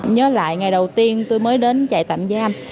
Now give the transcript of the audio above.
nhớ lại ngày đầu tiên tôi mới đến chạy tạm giam